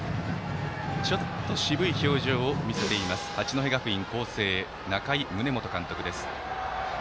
ちょっと渋い表情を見せている八戸学院光星の仲井宗基監督です。